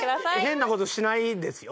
変なことしないですよ